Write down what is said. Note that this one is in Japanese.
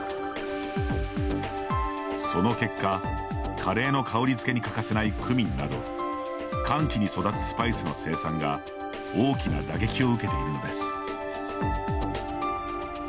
その結果、カレーの香りづけに欠かせないクミンなど乾季に育つスパイスの生産が大きな打撃を受けているのです。